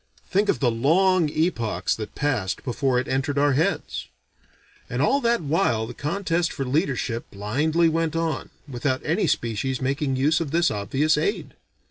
Think of the long epochs that passed before it entered our heads. And all that while the contest for leadership blindly went on, without any species making use of this obvious aid.